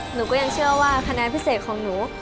หนูก็ยังเชื่อว่าคะแนนพิเศษของหนู